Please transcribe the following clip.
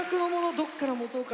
どっから持とうかなって。